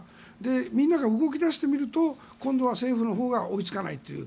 みんなが動き出してみると今度は政府のほうが追いつかないという。